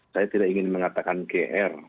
saya tidak ingin mengatakan gr